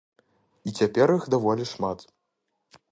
І цяпер іх даволі шмат.